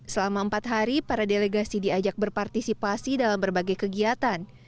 selama empat hari para delegasi diajak berpartisipasi dalam berbagai kegiatan